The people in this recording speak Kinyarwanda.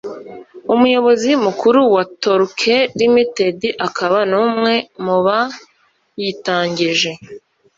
Umuyobozi Mukuru wa Torque Ltd akaba n’umwe mu bayitangije